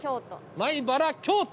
米原京都！